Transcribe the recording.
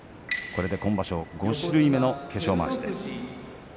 これで５種類目の化粧まわしです。